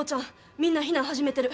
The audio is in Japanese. みんな避難始めてる。